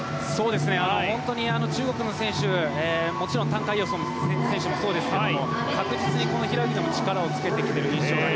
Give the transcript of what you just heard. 本当に中国の選手はもちろんタン・カイヨウ選手もそうですが確実に平泳ぎでも力をつけてきている印象です。